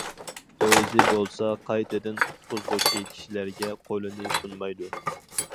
ئۆزى بولسا قايتىدىن قۇتقۇزغۇچى كىشىلەرگە قولىنى سۇنالمايدۇ.